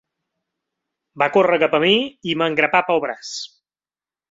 Va córrer cap a mi i m'engrapà pel braç.